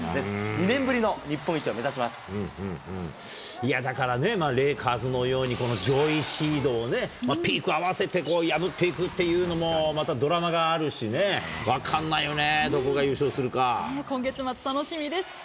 ２年ぶりの日本だからね、レイカーズのように上位シードをピーク合わせて破っていくっていうのも、またドラマがあるしね、分かんないよね。